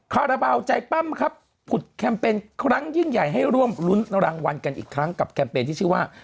คาราบาลใจปั้มครับผุดแคมเปญครั้งยิ่งใหญ่ให้ร่วมรุ้นรางวัลกันอีกครั้งกับแคมเปญที่ชื่อว่า